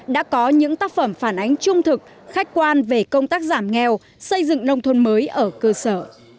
đã có những tác phẩm phản ánh trung thực khách quan về công tác giảm nghèo xây dựng nông thôn mới ở cơ sở